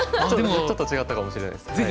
ちょっと違ったかもしれないです。